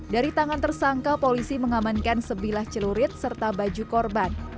dari tangan tersangka polisi mengamankan sebilah celurit serta baju korban